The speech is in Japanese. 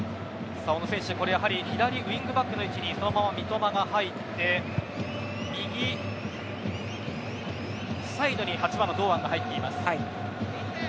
さあ、小野選手これやはり左ウイングバックの位置にそのまま三笘が入って右サイドに８番の堂安が入っています。